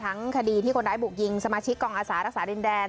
คดีที่คนร้ายบุกยิงสมาชิกกองอาสารักษาดินแดน